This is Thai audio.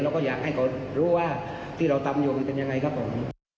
เราก็อยากให้เขารู้ว่าที่เราทำอยู่มันเป็นยังไงครับผม